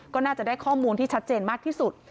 ก็น่าจะได้ข้อมูลที่ชัดเจนมากที่สุด